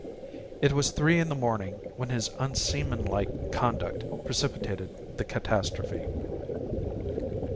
It was three in the morning when his unseamanlike conduct precipitated the catastrophe.